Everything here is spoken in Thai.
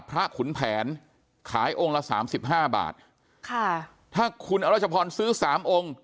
ขุนแผนขายองค์ละสามสิบห้าบาทค่ะถ้าคุณอรัชพรซื้อสามองค์